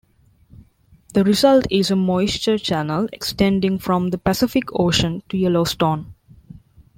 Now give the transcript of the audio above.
The result is a moisture channel extending from the Pacific Ocean to Yellowstone.